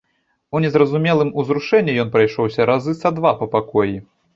У незразумелым узрушэнні ён прайшоўся разы са два па пакоі.